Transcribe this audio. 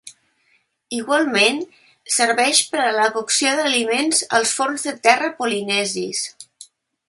Igualment, serveix per a la cocció dels aliments als forns de terra polinesis.